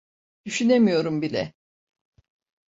Düşünemiyorum bile.